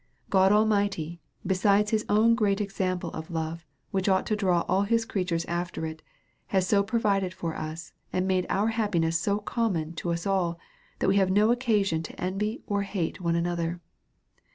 ^* God Almighty, besides his own great example of love, which ought to draw all his creatures after it, has so provided for us, and made our happiness so common to us all, that we have no occasion to envy 6if hate one another.